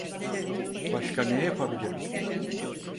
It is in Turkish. Başka ne yapabilirim?